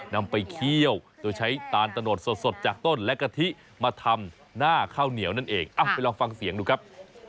นำไปเคี่ยวโดยใช้ตาลตะโนดสดจากต้นและกะทิมาทำหน้าข้าวเหนียวนั่นเองไปลองฟังเสียงดูครับ